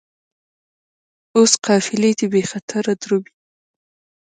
اوس قافلې دي بې خطره درومي